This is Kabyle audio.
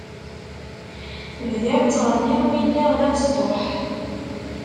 Bdiɣ ttɣenniɣ mi lliɣ d abestuḥ.